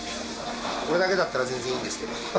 これだけだったら全然いいんですけど。